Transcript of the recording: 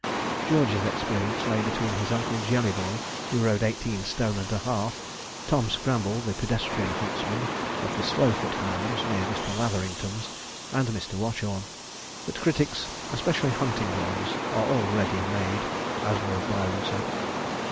George's experience lay between his Uncle Jellyboy, who rode eighteen stone and a half, Tom Scramble, the pedestrian huntsman of the Slowfoot hounds, near Mr. Latherington's, and Mr. Watchorn. But critics, especially hunting ones, are all ready made, as Lord Byron said.